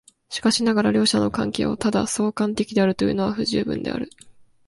しかしながら両者の関係をただ相関的であるというのは不十分である。